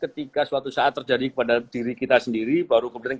semacamawy bahasan buat entrean agar mereka study maksyajing indonesia sekarang kemudian